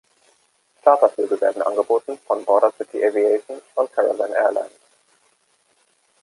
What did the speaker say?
Charterflüge werden angeboten von Border City Aviation und Caravan Airlines.